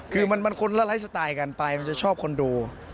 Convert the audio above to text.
คือมันคุ้นละละสไตล์กันปลายจะชอบคอนโด